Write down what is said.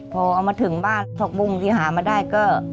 พอเอามาถึงบ้านผักบุ้งที่หามาได้ก็